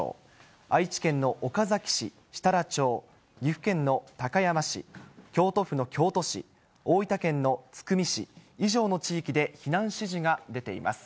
愛知県の岡崎市、設楽町、岐阜県の高山市、京都府の京都市、大分県の津久見市、異常の地域で避難指示が出ています。